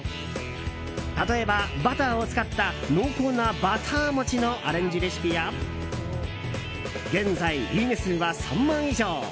例えば、バターを使った濃厚なバター餅のアレンジレシピや現在、いいね数は３万以上！